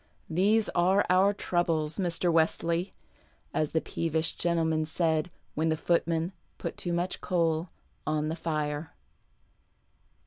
" These arc our troubles, Mr. Wesley," as the peevish gentleman said when the footman put too much coal on the fire.